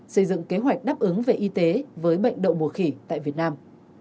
xây dựng kế hoạch đáp ứng về y tế với bệnh đậu mùa khỉ tại việt nam